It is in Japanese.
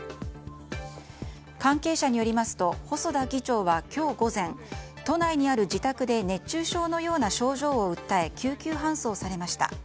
関係者によりますと細田議長は今日午前都内にある自宅で熱中症のような症状を訴え救急搬送されました。